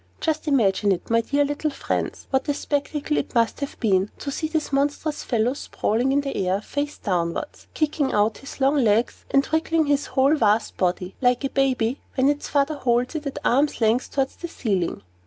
Just imagine it, my dear little friends. What a spectacle it must have been, to see this monstrous fellow sprawling in the air, face downwards, kicking out his long legs and wriggling his whole vast body, like a baby when its father holds it at arm's length towards the ceiling.